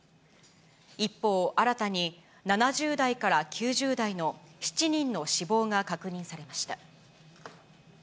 一方、新たに７０代から９０代の７人の死亡が確認されました。